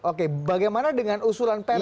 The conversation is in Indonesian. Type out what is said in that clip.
oke bagaimana dengan usulan pers